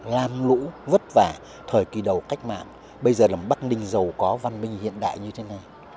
lam lũ vất vả thời kỳ đầu cách mạng bây giờ là một bắc ninh giàu có văn minh hiện đại như thế này